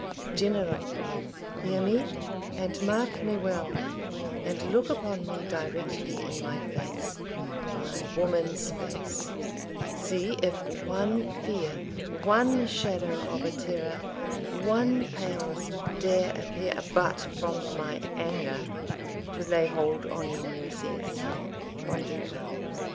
General, Hear me, and mark me well, and look upon me Directly in my face my woman's face See if one fear, one shadow of a terror, One paleness dare appear, but from my anger, To lay hold on your mercies. Bonduca.